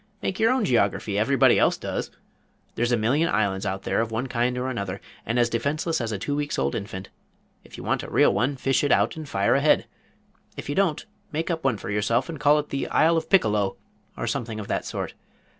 "Make your own geography everybody else does. There's a million islands out there of one kind or another, and as defenseless as a two weeks' old infant. If you want a real one, fish it out and fire ahead. If you don't, make one up for yourself and call it 'The Isle of Piccolo,' or something of that sort.